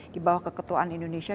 di bawah keketuaan indonesia